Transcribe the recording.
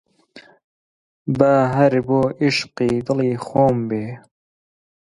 با هەر بۆ عیشقی دڵی خۆم بێ